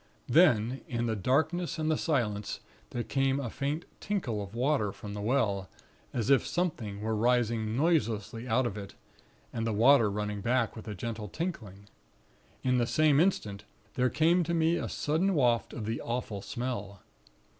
Then, in the darkness and the silence, there came a faint tinkle of water from the well, as if something were rising noiselessly out of it, and the water running back with a gentle tinkling. In the same instant, there came to me a sudden waft of the awful smell.